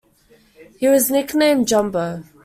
He was nicknamed "Jumbo".